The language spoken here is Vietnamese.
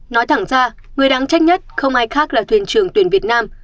nói thẳng ra người đáng trách nhất không ai khác là thuyền trưởng tuyển việt nam